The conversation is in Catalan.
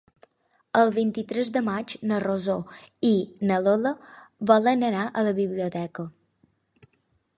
El vint-i-tres de maig na Rosó i na Lola volen anar a la biblioteca.